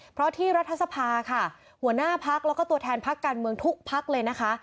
เพราะที่รัฐสภาค่ะหัวหน้าพักแล้วก็ตัวแทนพักการเมืองทุกพักเลยนะคะ